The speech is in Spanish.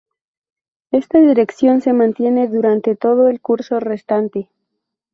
Esta dirección se mantiene durante todo el curso restante.